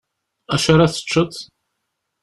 Acu ara teččeḍ?